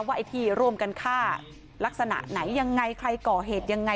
ไอ้ที่ร่วมกันฆ่าลักษณะไหนยังไงใครก่อเหตุยังไง